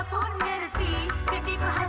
waduh tarik man